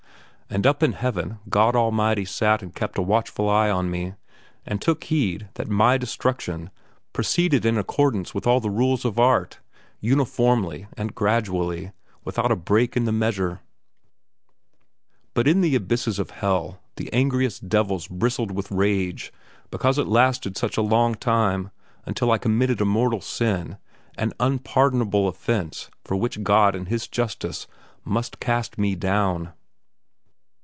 And up in Heaven God Almighty sat and kept a watchful eye on me, and took heed that my destruction proceeded in accordance with all the rules of art, uniformly and gradually, without a break in the measure. But in the abysses of hell the angriest devils bristled with range because it lasted such a long time until I committed a mortal sin, an unpardonable offence for which God in His justice must cast me down....